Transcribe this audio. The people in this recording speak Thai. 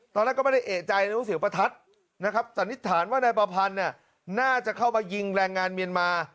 ตอนนั้นก็ไม่ได้เอกใจในว่าเสียงประทัดแต่นิจฐานว่าในประพันธ์น่าจะเข้าไปยิงแรงงานเมียนมา